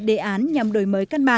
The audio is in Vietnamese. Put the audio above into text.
đề án nhằm đổi mới căn bản